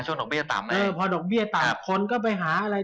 ก็ปรับตัวขึ้นได้ดีนะครับ